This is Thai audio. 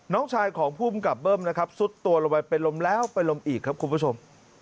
น้องชายของภูมิกับเบิ้มนะครับซุดตัวลงไปเป็นลมแล้วเป็นลมอีกครับคุณผู้ชม